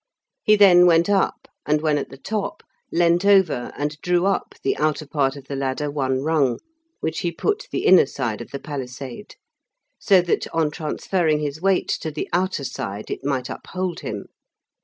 He then went up, and when at the top, leant over and drew up the outer part of the ladder one rung, which he put the inner side of the palisade, so that on transferring his weight to the outer side it might uphold him.